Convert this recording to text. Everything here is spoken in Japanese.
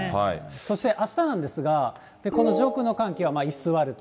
そしてあしたなんですが、この上空の寒気は居座ると。